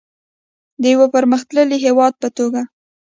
د یو پرمختللي هیواد په توګه.